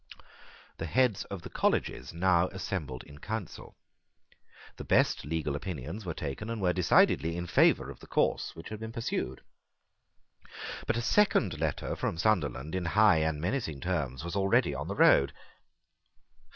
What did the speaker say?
The heads of the colleges now assembled in council. The best legal opinions were taken, and were decidedly in favour of the course which had been pursued. But a second letter from Sunderland, in high and menacing terms, was already on the road.